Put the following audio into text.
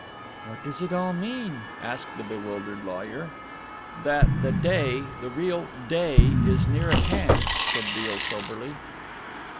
"What does it all mean?" asked the bewildered lawyer. "That The Day the real Day is near at hand," said Beale soberly.